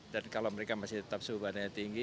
dan kalau mereka masih tetap suhu batanya tinggi